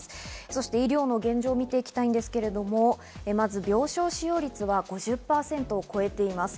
そして医療の現状を見ていきたいんですけれども、まず病床使用率が５０％を超えています。